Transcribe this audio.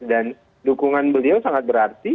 dan dukungan beliau sangat berarti